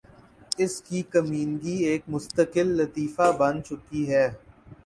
اس کی کمینگی ایک مستقل لطیفہ بن چکی ہے